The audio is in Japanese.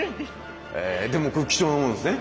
でもこれ貴重なものですね。